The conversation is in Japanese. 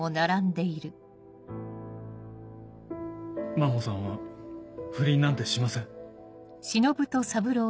真帆さんは不倫なんてしません。